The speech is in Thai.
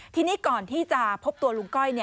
ทีนี้ก่อนที่จะพบตัวลุงก้อย